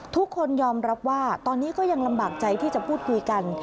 ทุกคนยอมรับว่าตอนนี้ก็ยังลำบากใจที่จะพูดคุยกัน